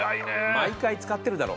毎回使ってるだろ。